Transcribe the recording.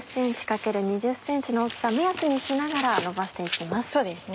２０ｃｍ×２０ｃｍの大きさ目安にしながらのばして行きます。